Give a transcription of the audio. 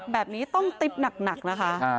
แบบนี้ต้องติ๊บหนักนะคะ